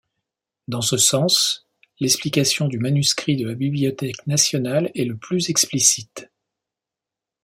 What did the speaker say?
Dans ce sens, l'explication du manuscrit de la Bibliothèque nationale est le plus explicite.